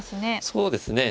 そうですね。